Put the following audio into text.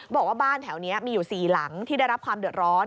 บอกว่าบ้านแถวนี้มีอยู่๔หลังที่ได้รับความเดือดร้อน